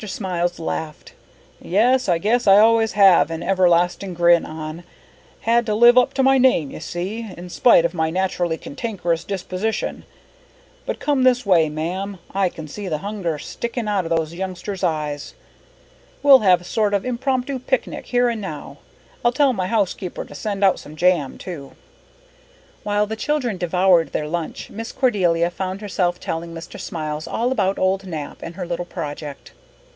Smiles laughed. "Yes, I guess I always have an everlasting grin on. Had to live up to my name, you see, in spite of my naturally cantankerous disposition; But come this way, ma'am, I can see the hunger sticking out of those youngsters' eyes. We'll have a sort of impromptu picnic here and now, I'll tell my housekeeper to send out some jam too." While the children devoured their lunch Miss Cordelia found herself telling Mr. Smiles all about old Nap and her little project.